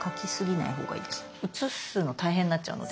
写すの大変になっちゃうので。